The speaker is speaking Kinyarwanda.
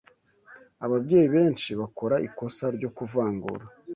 Ababyeyi benshi bakora ikosa ryo kuvangura